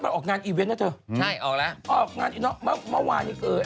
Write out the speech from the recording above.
มันออกงานอีเวนต์แล้วเถอะออกงานอีเว้นต์เนอะเมื่อวานนี้